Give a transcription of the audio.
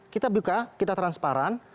kita buka kita transparan